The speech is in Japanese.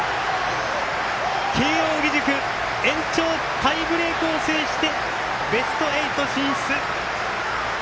慶応義塾延長タイブレークを制してベスト８進出！